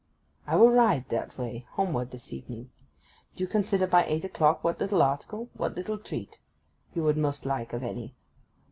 'I will ride that way homeward this evening. Do you consider by eight o'clock what little article, what little treat, you would most like of any.